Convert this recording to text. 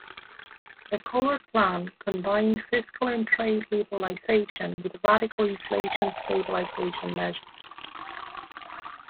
The Collor plan combined fiscal and trade liberalization with radical inflation stabilization measures.